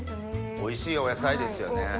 おいしいお野菜ですよね。